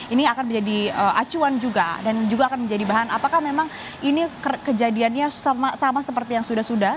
ini akan menjadi acuan juga dan juga akan menjadi bahan apakah memang ini kejadiannya sama seperti yang sudah sudah